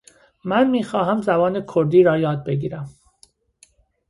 من می خواهم زبان کردی را یاد بگیرم.